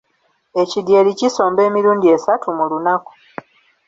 Ekidyeri kisomba emirundi esatu mu lunaku.